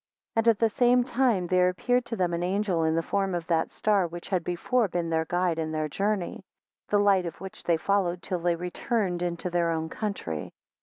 3 And at the same time there appeared to them an angel in the form of that star which had before been their guide in their journey; the light of which they followed till they returned into their own country.